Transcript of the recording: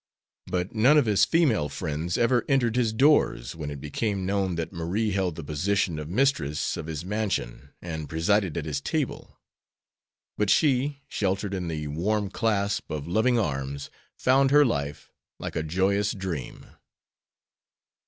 But none of his female friends ever entered his doors, when it became known that Marie held the position of mistress of his mansion, and presided at his table. But she, sheltered in the warm clasp of loving arms, found her life like a joyous dream.